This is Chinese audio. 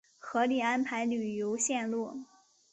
合理安排旅游线路